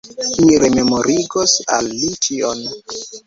Mi rememorigos al li ĉion!